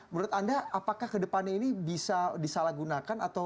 menurut anda apakah kedepannya ini bisa disalahgunakan atau